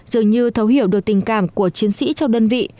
dường như thấu hiểu được tình cảm của chiến sĩ trong đơn vị